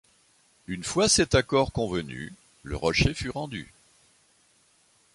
Une fois cet accord convenu, le rocher fut rendu.